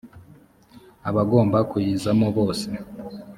abagomba kuyizamo bose